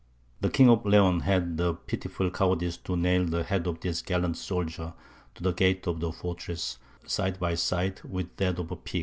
The King of Leon had the pitiful cowardice to nail the head of this gallant soldier to the gate of the fortress, side by side with that of a pig.